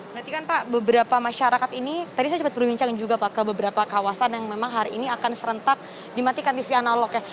berarti kan pak beberapa masyarakat ini tadi saya sempat berbincang juga pak ke beberapa kawasan yang memang hari ini akan serentak dimatikan tv analognya